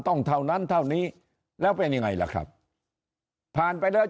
เท่านั้นเท่านี้แล้วเป็นยังไงล่ะครับผ่านไปแล้ว